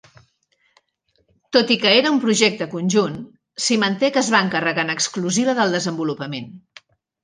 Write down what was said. Tot i que era un projecte conjunt, Symantec es va encarregar en exclusiva del desenvolupament.